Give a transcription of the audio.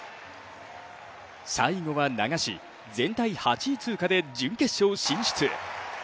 最後は流し、全体８位通過で準決勝進出。